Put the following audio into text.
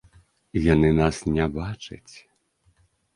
Яны нас не бачаць.